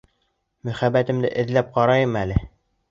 Мөхәббәтемде эҙләп ҡарайым әле.